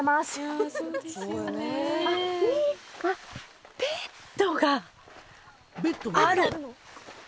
いいあっベッドがある！